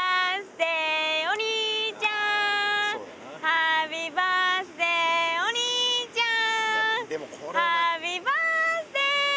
「ハッピーバースデーお兄ちゃん」